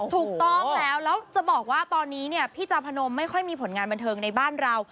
ถูกต้องแล้วแล้วจะบอกว่าตอนนี้เนี่ยพี่จาพนมไม่ค่อยมีผลงานบันเทิงในบ้านเรา